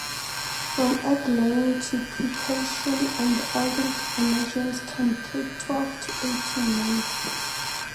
From egg-laying to pupation and adult emergence can take twelve to eighteen months.